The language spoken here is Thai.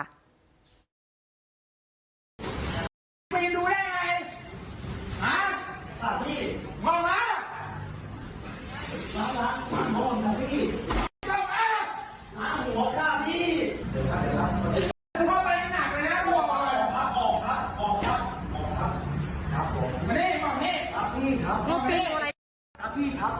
ดูให้ไงหาพ่อพี่พ่อพ่อ